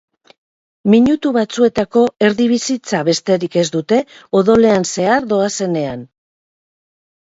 Minutu batzuetako erdibizitza besterik ez dute odolean zehar doazenean.